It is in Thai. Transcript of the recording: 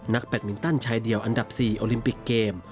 แบตมินตันชายเดียวอันดับ๔โอลิมปิกเกม